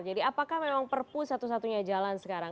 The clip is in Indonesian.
jadi apakah memang perpu satu satunya jalan sekarang